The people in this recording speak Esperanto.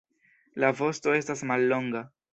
La vosto estas mallonga.